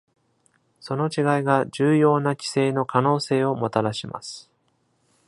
その違いが重要な規制の可能性をもたらします。